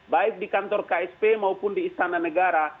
baik di kantor ksp maupun di istana negara